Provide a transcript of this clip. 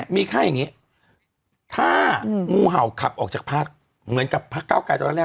มีค่าอย่างนี้ถ้างูเห่าขับออกจากพักเหมือนกับพักเก้าไกรตอนแรก